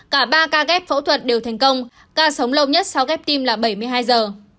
cả ba ca ghép phẫu thuật đều thành công ca sống lâu nhất sau ghép tim là bảy mươi hai giờ